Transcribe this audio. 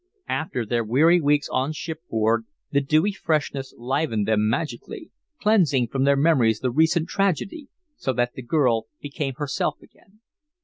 After their weary weeks on shipboard, the dewy freshness livened them magically, cleansing from their memories the recent tragedy, so that the girl became herself again.